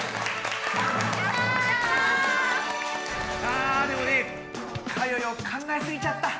あでもねかよよ考えすぎちゃった。